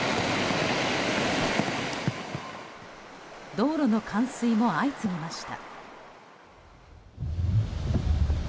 道路の冠水も相次ぎました。